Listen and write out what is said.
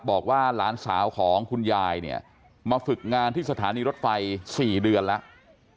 บอกว่าหลานสาวของคุณยายเนี่ยมาฝึกงานที่สถานีรถไฟ๔เดือนแล้ว